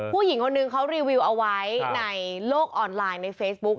ผู้หญิงคนนึงเขารีวิวเอาไว้ในโลกออนไลน์ในเฟซบุ๊ค